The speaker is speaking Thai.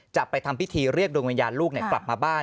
จะไปทำพิธีเรียกดวงวิญญาณลูกกลับมาบ้าน